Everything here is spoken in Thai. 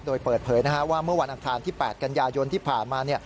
โดยเปิดเผยว่าเมื่อวันอังคารที่๘กันยายนที่ผ่านมา